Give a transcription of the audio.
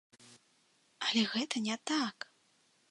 Але гэта не так!